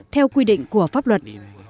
theo quy định của pháp luật